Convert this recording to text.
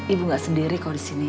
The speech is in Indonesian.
ibu nggak sendiri kalau disini